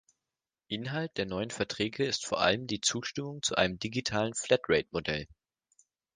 Inhalt der neuen Verträge ist vor allem die Zustimmung zu einem digitalen Flatrate-Modell.